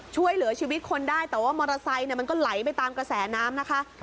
ช่วยเหลือชีวิตคนได้แต่ว่ามอเตอร์ไซค์มันก็ไหลไปตามกระแสน้ำนะคะ